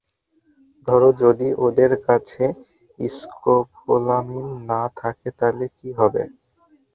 ধরো যদি ওদের কাছে স্কোপোলামিন না থাকে তাহলে কী হবে?